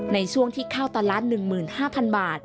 ในช่วงที่ข้าวตลาด๑๕๐๐๐บาท